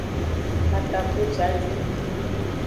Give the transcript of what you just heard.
Katapucidin.